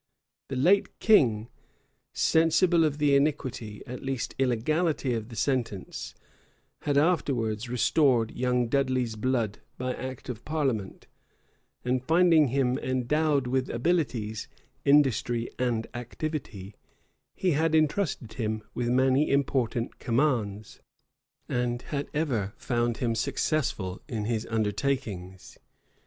The late king, sensible of the iniquity, at least illegality, of the sentence, had afterwards restored young Dudley's blood by act of parliament; and finding him endowed with abilities, industry, and activity, he had intrusted him with many important commands, and had ever found him successful in his undertakings.